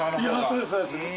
そうですそうです。